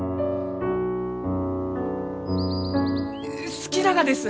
好きながです！